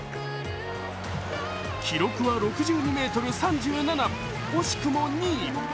記録は６２ｍ３７、惜しくも２位。